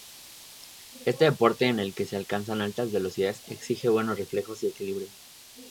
Este deporte en el que se alcanzan altas velocidades, exige buenos reflejos y equilibrio.